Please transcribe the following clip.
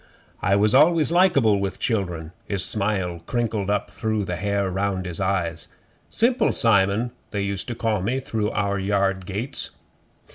'I was always likeable with children.' His smile crinkled up through the hair round his eyes. 'Simple Simon they used to call me through our yard gates.